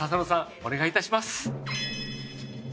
お願いいたします。